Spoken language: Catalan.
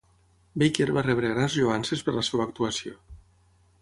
Baker va rebre grans lloances per la seva actuació.